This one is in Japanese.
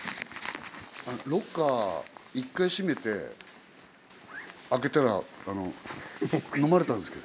ロッカー１回閉めて開けたらのまれたんですけど。